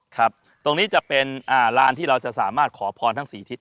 ครับตรงนี้จะเป็นร้านที่เราจะสามารถขอพรทั้ง๔ทิศ